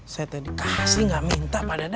saya tadi kasih gak minta pak dadang